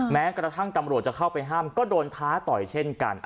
แม้กระทั่งตำรวจจะเข้าไปห้ามก็โดนท้าต่อยเช่นกัน